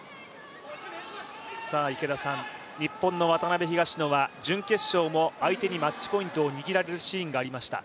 日本の渡辺・東野は準決勝も相手にマッチポイントを握られるシーンがありました。